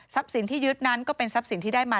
สินที่ยึดนั้นก็เป็นทรัพย์สินที่ได้มา